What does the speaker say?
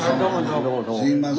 すいません。